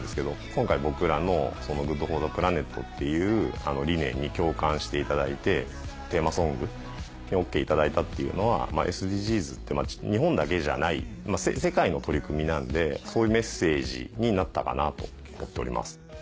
今回僕らのＧｏｏｄＦｏｒｔｈｅＰｌａｎｅｔっていう理念に共感していただいてテーマソングにＯＫ頂いたっていうのはＳＤＧｓって日本だけじゃない世界の取り組みなんでそういうメッセージになったかなと思っております。